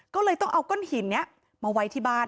ก็เลยต้องเอาก้อนหินนี้มาไว้ที่บ้าน